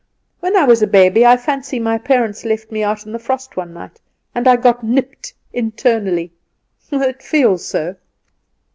"When I was a baby, I fancy my parents left me out in the frost one night, and I got nipped internally it feels so!"